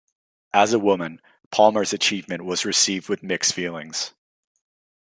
As a woman, Palmer's achievement was received with mixed feelings.